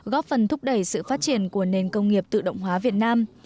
góp phần thúc đẩy sự phát triển của nền công nghiệp tự động hóa việt nam